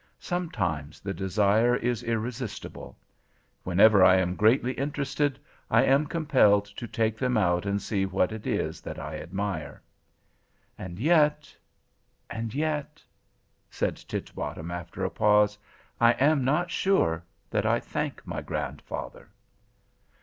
Sometimes the desire is irresistible. Whenever I am greatly interested, I am compelled to take them out and see what it is that I admire. "And yet—and yet," said Titbottom, after a pause, "I am not sure that I thank my grandfather."